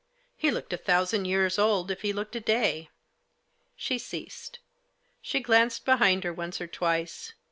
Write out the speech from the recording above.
He looked a thousand years old if he looked a day." She ceased. She glanced behind her once or twice.